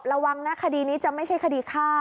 ระวังนะคดีนี้จะไม่ใช่คดีฆ่า